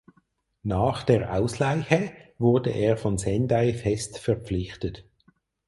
Nach der Ausleihe wurde er von Sendai fest verpflichtet.